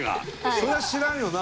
それは知らんよな。